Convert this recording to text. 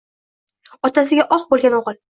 Otasiga oq boʼlgan oʼgʼil.